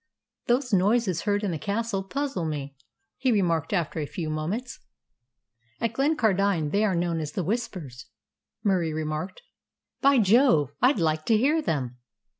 "Those noises heard in the castle puzzle me," he remarked after a few moments. "At Glencardine they are known as the Whispers," Murie remarked. "By Jove! I'd like to hear them."